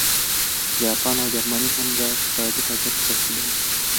جاپان او جرمني هم دا اقتصادي هدف تعقیبوي